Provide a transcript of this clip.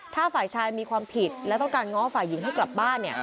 ถ้าฝ่ายชายมีความผิดและต้องการง้อฝ่ายหญิงให้กลับบ้าน